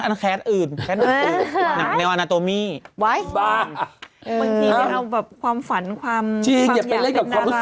ถ้าเดินให้พี่บทดำดู